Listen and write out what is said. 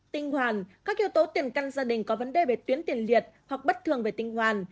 tinh hoàn các yếu tố tiền căn gia đình có vấn đề về tuyến tiền liệt hoặc bất thường về tinh hoàn